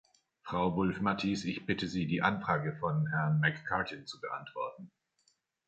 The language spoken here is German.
Frau Wulf-Mathies, ich bitte Sie, die Anfrage von Herrn McCartin zu beantworten.